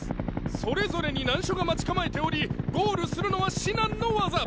それぞれに難所が待ち構えておりゴールするのは至難の業！